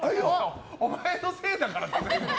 お前のせいだからな！